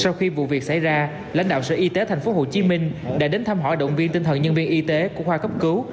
sau khi vụ việc xảy ra lãnh đạo sở y tế tp hcm đã đến thăm hỏi động viên tinh thần nhân viên y tế của khoa cấp cứu